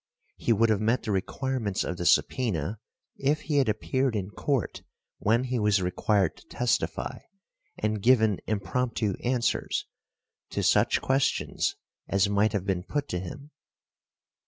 He would have met the requirements of the subpœna if he had appeared in court when he was required to testify and given impromptu answers to such questions as might have been put to him.